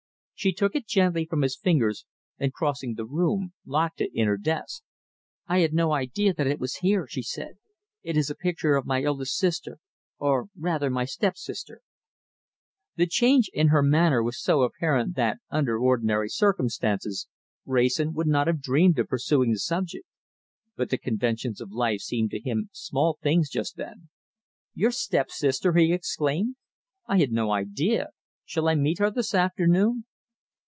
She took it gently from his fingers, and crossing the room locked it in her desk. "I had no idea that it was here," she said. "It is a picture of my eldest sister, or rather my step sister." The change in her manner was so apparent that, under ordinary circumstances, Wrayson would not have dreamed of pursuing the subject. But the conventions of life seemed to him small things just then. "Your step sister!" he exclaimed. "I had no idea shall I meet her this afternoon?"